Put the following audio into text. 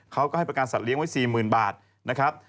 เขาก็ให้ประกันสัตว์เลี้ยไว้๔๐๐๐บาทนะครับ